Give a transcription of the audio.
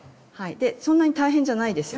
そんなに大変じゃないですよね？